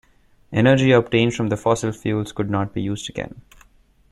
Energy obtained from the fossil fuels could not be used again.